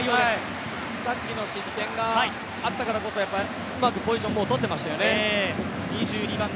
さっきの失点があったからこそ、うまくポジションをとっていましたよね。